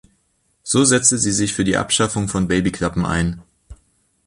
So setzte sie sich für die Abschaffung von "Babyklappen" ein.